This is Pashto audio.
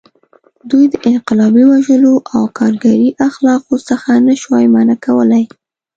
دوی د انقلابي وژلو او کارګري اخلاقو څخه نه شوای منع کولی.